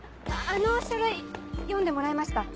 あの書類読んでもらえました？